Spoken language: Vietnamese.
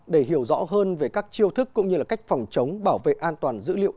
để hiểu rõ hơn về các chiêu thức cũng như là cách phòng chống bảo vệ an toàn dữ liệu